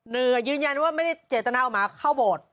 ยืนยันว่าไม่ได้เจตนาเอาหมาเข้าโบสถ์